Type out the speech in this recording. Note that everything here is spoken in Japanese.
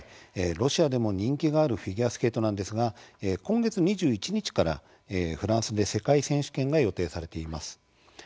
ロシアでも人気があるフィギュアスケートなんですが今月２１日からフランスで世界選手権が予定されています。